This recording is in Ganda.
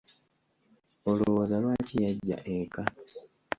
Olowooza lwaki yajja eka?